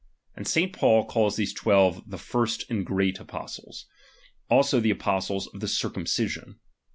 And St. Paul calls these "twelve the first and great apostles ; also the apos tles of' the circujttcisioH.